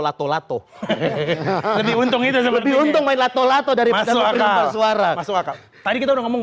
latinoous ha ha ha jadi untung itu lebih untung mdv latola atau darikins suara tadi kita ngomong